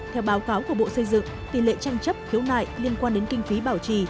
theo báo cáo của bộ xây dựng tỷ lệ tranh chấp khiếu nại liên quan đến kinh phí bảo trì